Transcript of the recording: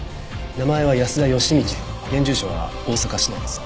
名前は保田恵道現住所は大阪市内です。